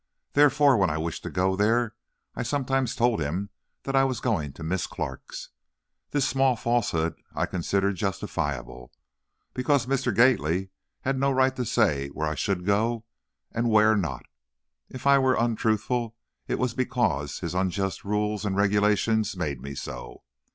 Therefore, when I wished to go there I sometimes told him that I was going to Miss Clark's. This small falsehood I considered justifiable, because Mr. Gately had no right to say where I should go and where not! If I was untruthful it was because his unjust rules and regulations made me so!